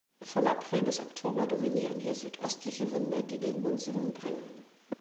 Von April bis Oktober dominieren hier südöstliche Winde, die den Monsun bringen.